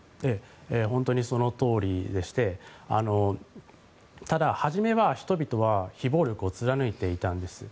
本当にそのとおりでしてただ、初めは人々は非暴力を貫いていたんです。